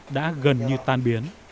đã gần như tan biến